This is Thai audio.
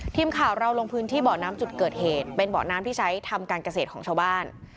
ทีมข่าวเราลงพื้นที่เบาะน้ำจุดเกิดเหตุเป็นเบาะน้ำที่ใช้ทำการเกษตรของชาวบ้าน